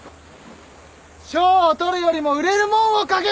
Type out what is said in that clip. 賞を取るよりも売れるもんを書け！